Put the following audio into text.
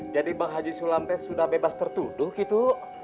jadi bang haji sulam teh sudah bebas tertuduh gitu